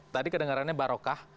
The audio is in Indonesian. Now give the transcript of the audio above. tadi kedengarannya barokah